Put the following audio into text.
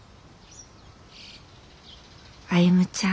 「歩ちゃん。